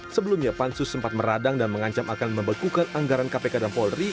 sebelumnya pansus sempat meradang dan mengancam akan membekukan anggaran kpk dan polri